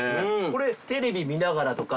これテレビ見ながらとか。